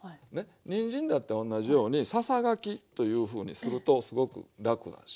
にんじんだっておんなじようにささがきというふうにするとすごく楽だし。